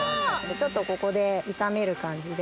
ちょっとここで炒める感じで。